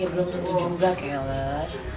ya belum tentu juga kelet